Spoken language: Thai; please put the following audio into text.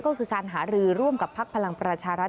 ก็คือการหารือร่วมกับพักพลังประชารัฐ